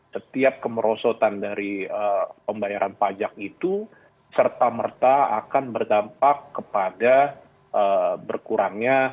setiap kemerosotan dari pembayaran pajak itu serta merta akan berdampak kepada berkurangnya